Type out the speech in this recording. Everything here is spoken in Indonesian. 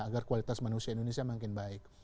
agar kualitas manusia indonesia makin baik